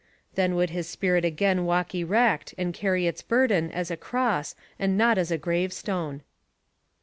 Then would his spirit again walk erect, and carry its burden as a cross and not as a gravestone.